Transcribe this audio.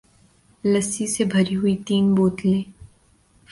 لسی سے بھری ہوئی تین بوتلیں